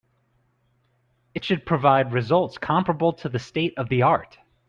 It should provided results comparable to the state of the art.